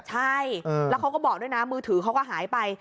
ใช่แล้วเขาก็บอกด้วยนะมือถือเขาก็หายไป